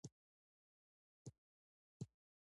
کلتوري انقلاب اقتصادي پرمختګ وځنډاوه.